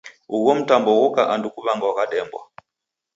Ugho mtambo ghoka andu kuw'angwagha Dembwa.